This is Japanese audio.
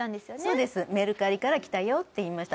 メルカリから来たよって言いました。